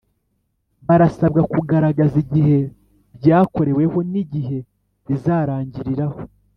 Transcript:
Barasabwa kugaragaza igihe byakoreweho n’ igihe bizarangiriraho